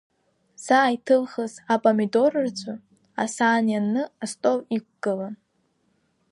Заа иҭылхыз апамидоррҵәы асаан ианны астол иқәгылан.